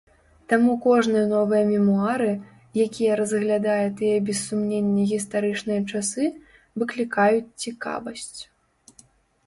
Таму кожныя новыя мемуары, якія разглядае тыя без сумнення гістарычныя часы, выклікаюць цікавасць.